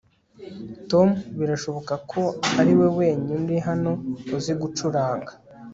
tom birashoboka ko ariwe wenyine uri hano uzi gucuranga